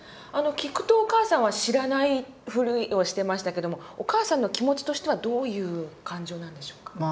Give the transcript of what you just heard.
あの聞くとお母さんは知らないふりをしてましたけどもお母さんの気持ちとしてはどういう感情なんでしょうか。